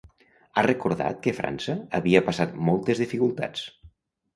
Ha recordat que França havia passat moltes dificultats.